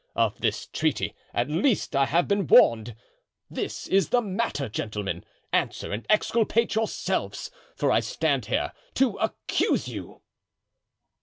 Of this treaty, at least, I have been warned. This is the matter, gentlemen; answer and exculpate yourselves, for I stand here to accuse you."